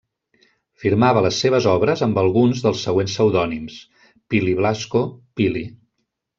Firmava les seves obres amb alguns dels següents pseudònims; Pili Blasco, Pili.